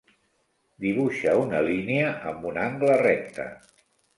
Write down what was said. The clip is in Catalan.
Dibuixa una línia amb un angle recte.